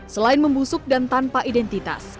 selain membusuk dan tanpa identitas